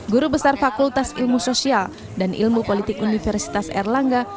guru besar fakultas ilmu sosial dan ilmu politik universitas erlangga